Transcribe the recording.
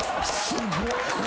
すごっ！